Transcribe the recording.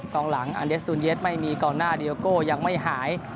กลางหลังอันเดสตูนเย็ดไม่มีกองหน้าดีโอโก้ยังไม่หาย